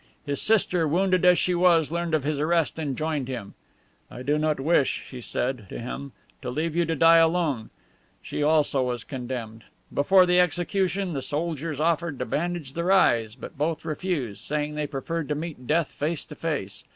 His sister, wounded as she was, learned of his arrest and joined him. 'I do not wish,' she said to him, 'to leave you to die alone.' She also was condemned. Before the execution the soldiers offered to bandage their eyes, but both refused, saying they preferred to meet death face to face.